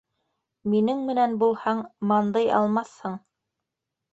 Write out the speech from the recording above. Минең менән булһаң, мандый алмаҫһың!